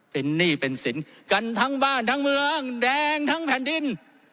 เป็นหนี้เป็นสินกันทั้งบ้านทั้งเมืองแดงทั้งแผ่นดิน